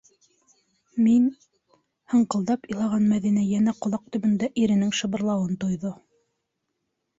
Мин... - һыңҡылдап илаған Мәҙинә йәнә ҡолаҡ төбөндә иренең шыбырлауын тойҙо.